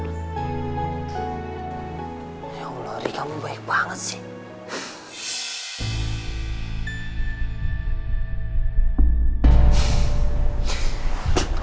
ya allah ri kamu baik banget sih